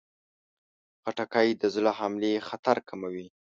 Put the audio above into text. خټکی د زړه حملې خطر کموي.